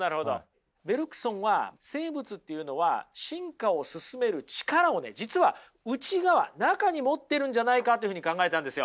ベルクソンは生物というのは進化を進める力を実は内側中に持ってるんじゃないかというふうに考えたんですよ。